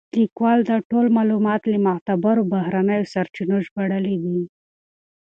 لیکوال دا ټول معلومات له معتبرو بهرنیو سرچینو ژباړلي دي.